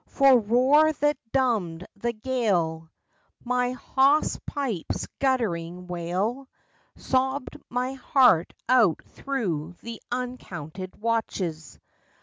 For roar that dumbed the gale My hawse pipes guttering wail, Sobbing my heart out through the uncounted watches.